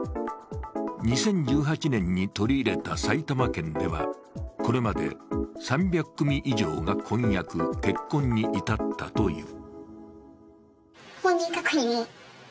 ２０１８年に取り入れた埼玉県では、これまで３００組以上が婚約結婚に至ったという。